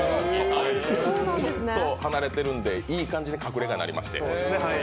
ちょっと離れているんでいい感じで隠れ家になりまして。